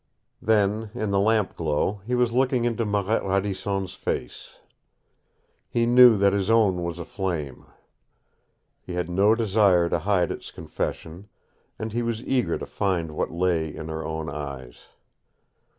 Then, in the lamp glow, he was looking into Marette Radisson's face. He knew that his own was aflame. He had no desire to hide its confession, and he was eager to find what lay in her own eyes.